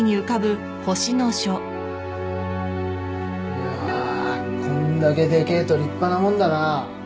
うわこんだけでけえと立派なもんだな。